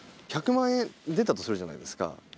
１００万円出たとするじゃないですか。